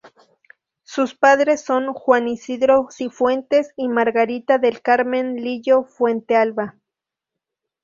Sus padres son Juan Isidro Cifuentes y Margarita del Carmen Lillo Fuentealba.